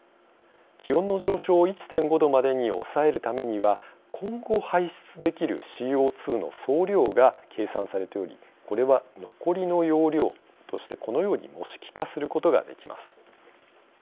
気温の上昇を１．５℃までに抑えるためには今後、排出できるＣＯ２の総量が計算されておりこれは、残りの容量としてこのように模式化することができます。